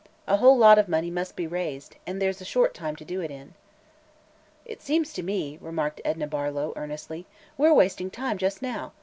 A whole lot of money must be raised, and there's a short time to do it in." "Seems to me," remarked Edna Barlow, earnestly, "we're wasting time just now.